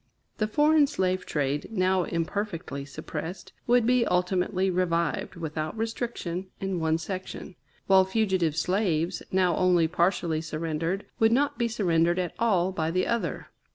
The foreign slave trade, now imperfectly suppressed, would be ultimately revived, without restriction, in one section; while fugitive slaves, now only partially surrendered, would not be surrendered at all by the other.